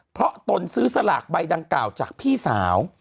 เพราะตนซื้อสลากใบดังกล่าวจากพี่สาว